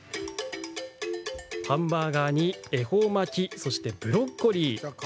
ハンバーガーに恵方巻きそして、ブロッコリー。